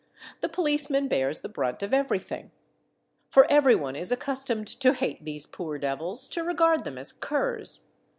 The policeman bears the brunt of everything. For every one is accustomed to hate these poor devils, to regard them as curs.